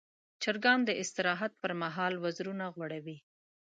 چرګان د استراحت پر مهال وزرونه غوړوي.